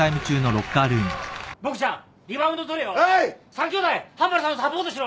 ３兄弟半原さんサポートしろ！